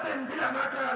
tijauh ini tidak makar